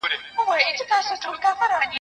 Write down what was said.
ستا نصیب ته هغه سور دوږخ په کار دئ